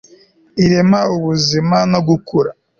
irema ubuzima no gukura